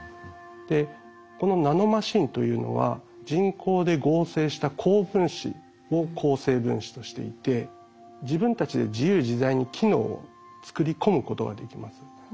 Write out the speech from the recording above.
でこのナノマシンというのは人工で合成した高分子を構成分子としていて自分たちで自由自在に機能を作り込むことができます。